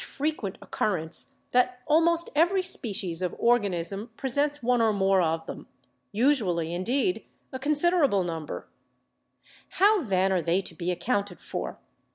146 BIOLOGY frequent occurrence, that almost every species of organism presents one or more of them — usually, indeed, a consider able number. How, then, are they to be accounted for?